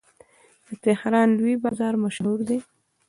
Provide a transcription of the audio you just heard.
د تهران لوی بازار مشهور دی.